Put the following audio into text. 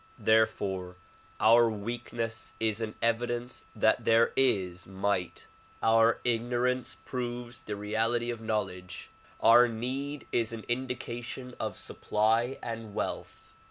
Therefore our weakness is an evidence that there is might ; our ignorance proves the reality of knowledge ; our need is an indica tion of supply and wealth.